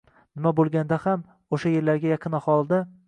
nima bo‘lganda ham o‘sha yerlarga yaqin aholida